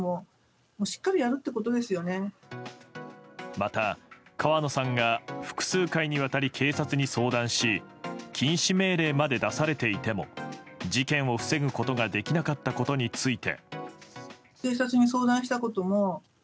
また、川野さんが複数回にわたり警察に相談し禁止命令まで出されていても事件を防ぐことができなかったことについて。